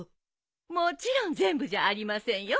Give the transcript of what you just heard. もちろん全部じゃありませんよ。